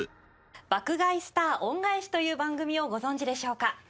「『爆買い☆スター恩返し』という番組をご存じでしょうか？」